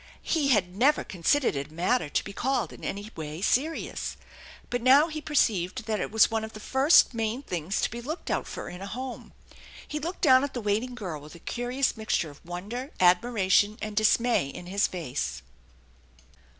He had never considered it a matter to be called in any way serious. But now he perceived that it was one of the first main things to be looked out for in a home. He looked down at the waiting girl with a curious mixture of wonder, admiration, and dismay in his face.